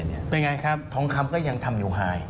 เป็นไงครับทองคำก็ยังทำอยู่หาย